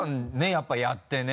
やっぱやってね。